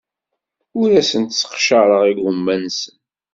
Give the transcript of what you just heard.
Ur asent-sseqcareɣ igumma-nsen.